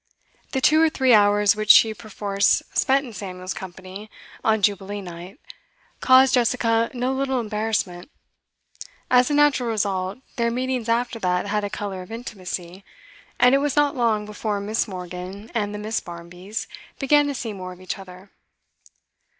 The two or three hours which she perforce spent in Samuel's company on Jubilee night caused Jessica no little embarrassment; as a natural result, their meetings after that had a colour of intimacy, and it was not long before Miss. Morgan and the Miss. Barmbys began to see more of each other.